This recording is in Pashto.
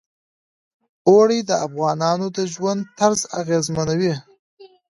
اوړي د افغانانو د ژوند طرز اغېزمنوي.